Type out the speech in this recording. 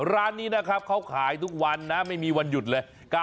ร้านนี้นะครับเขาขายทุกวันนะไม่มีวันหยุดเลย